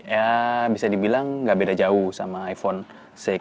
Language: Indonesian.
ya bisa dibilang gak beda jauh sama iphone enam